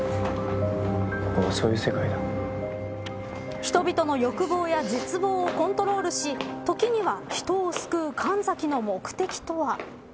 人々の欲望や絶望をコントロールし時には人を救う神崎の目的とは。